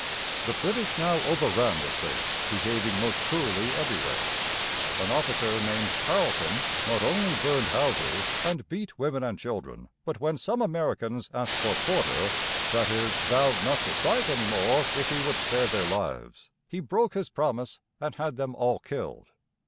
The British now overran the state, behaving most cruelly everywhere. An officer named Tarle´ton not only burned houses, and beat women and children, but when some Americans asked for quarter, that is, vowed not to fight any more if he would spare their lives, he broke his promise and had them all killed.